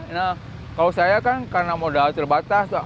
nah kalau saya kan karena modal terbatas